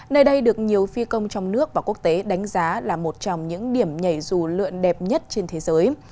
nơi đây được nhiều phi công trong nước và quốc tế đánh giá là một trong những điểm nhảy dù lượn đẹp nhất trên thế giới